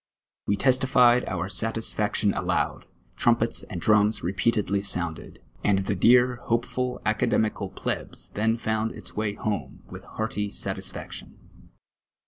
Wc testified oirr satisfaction aloud, trum 2)ets and ch ums repeatedly sounded, and the dear, hopeful academical plebs then found its way home with hearty satis faction.